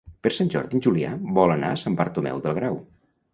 Per Sant Jordi en Julià vol anar a Sant Bartomeu del Grau.